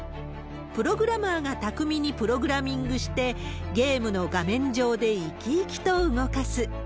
プログラマーが巧みにプログラミングして、ゲームの画面上で生き生きと動かす。